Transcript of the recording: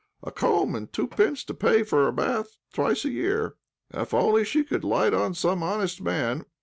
A comb and two pence to pay for a bath twice a year. If only she could light on some honest man!